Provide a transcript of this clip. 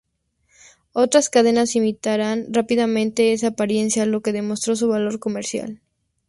Otras cadenas, imitaron rápidamente esa apariencia, lo que demostró su valor comercial.